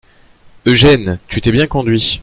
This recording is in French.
Eugène, tu t'es bien conduit.